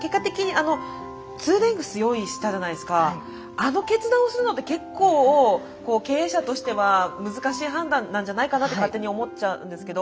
あの決断をするのって結構経営者としては難しい判断なんじゃないかなって勝手に思っちゃうんですけど。